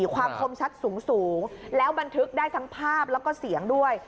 ความคมชัดสูงแล้วบันทึกได้ทั้งภาพแล้วก็เสียงด้วย